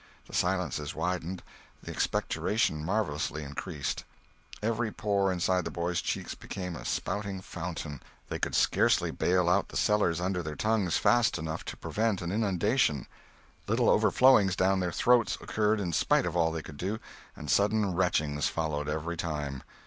The silences widened; the expectoration marvellously increased. Every pore inside the boys' cheeks became a spouting fountain; they could scarcely bail out the cellars under their tongues fast enough to prevent an inundation; little overflowings down their throats occurred in spite of all they could do, and sudden retchings followed every time.